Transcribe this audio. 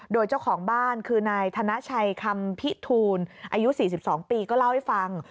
โดยเจ้าของบ้านคือนายธนชัยคำพิทูลอายุ๔๒ปีก็เล่าให้ฟัง